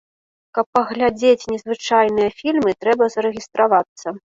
Каб паглядзець незвычайныя фільмы, трэба зарэгістравацца.